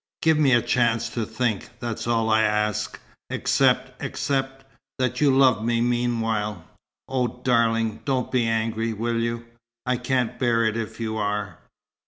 "Give me a chance to think, that's all I ask, except except that you love me meanwhile. Oh, darling, don't be angry, will you? I can't bear it, if you are."